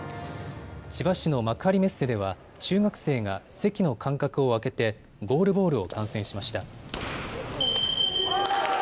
千葉市の幕張メッセでは中学生が席の間隔を空けてゴールボールを観戦しました。